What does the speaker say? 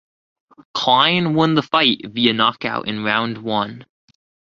Klein won the fight via knockout in round one.